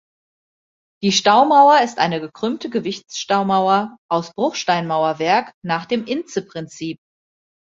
Die Staumauer ist eine gekrümmte Gewichtsstaumauer aus Bruchsteinmauerwerk nach dem Intze-Prinzip.